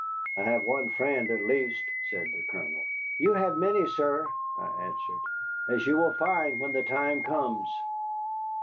"I have one friend, at least," said the Colonel. "You have many, sir," I answered, "as you will find when the time comes."